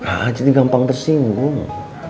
a jadi gampang tersinggung